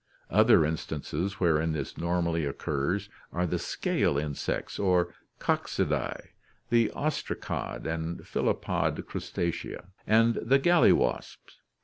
Other instances wherein this normally occurs are the scale insects or Coccidae, the ostracod and phyllopod Crustacea, and the gall wasps.